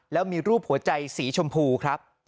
แล้วมีรูปหัวใจสีชมพูครับ